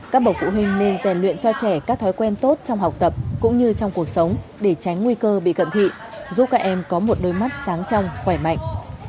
các bậc phụ huynh nên rèn luyện cho trẻ các thói quen tốt trong học tập cũng như trong cuộc sống để tránh nguy cơ bị cận thị giúp các em có một đôi mắt sáng trong khỏe mạnh